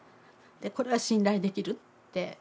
これは信頼できるって。